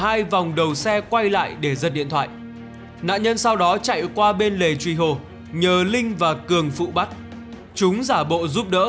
thấy kẹo cả hai vòng đầu xe quay lại để giật điện thoại nạn nhân sau đó chạy qua bên lề truy hồ nhờ linh và cường phụ bắt chúng giả bộ giúp đỡ rồi cũng tăng ga bỏ chạy